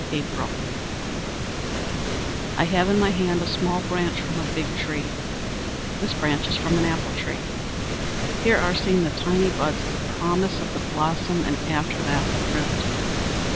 "_ APRIL I have in my hand a small branch from a big tree. This branch is from an apple tree. Here are seen the tiny buds, the promise of the blossom, and after that the fruit.